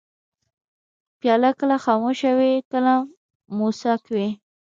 پیاله کله خاموشه وي، کله موسک وي.